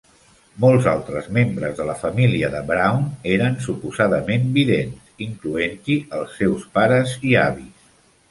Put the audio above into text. Molts altres membres de la família de Brown eren suposadament vidents, incloent-hi els seus pares i avis.